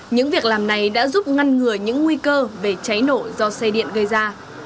những việc làm này đã giúp ngăn ngừa những nguy cơ về cháy nổ do xe điện gây ra